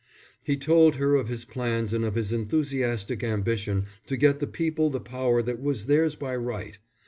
He told her of his plans and of his enthusiastic ambition to get the people the power that was theirs by right.